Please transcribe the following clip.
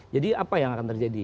jadi apa yang akan terjadi